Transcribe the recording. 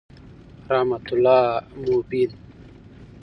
رحمت الله مبین